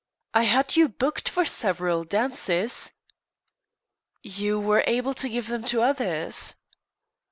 I had you booked for several dances." "You were able to give them to others."